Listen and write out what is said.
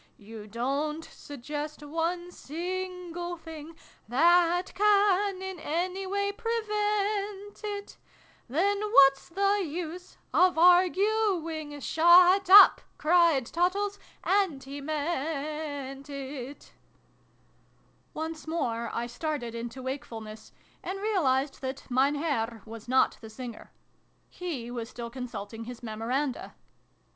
You don't suggest one single thing That can in any ivay prevent it Then whafs the use of arguing? Shut up !" cried Tottles (and he meant it}. Once more I started into wakefulness, and realised that Mein Herr was not the singer. He was still consulting his memoranda.